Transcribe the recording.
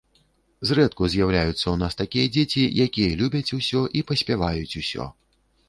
Зрэдку з'яўляюцца ў нас такія дзеці, якія любяць усё і паспяваюць усё!